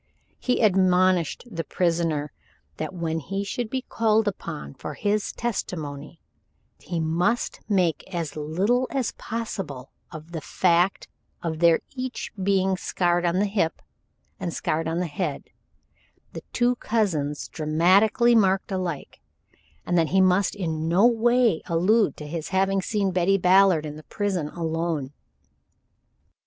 He admonished the prisoner that when he should be called upon for his testimony, he must make as little as possible of the fact of their each being scarred on the hip, and scarred on the head, the two cousins dramatically marked alike, and that he must in no way allude to his having seen Betty Ballard in the prison alone.